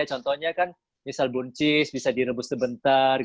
contohnya misalnya buncis bisa direbus sebentar